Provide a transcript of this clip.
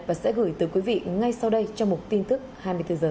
và sẽ gửi từ quý vị ngay sau đây cho một tin tức hai mươi bốn h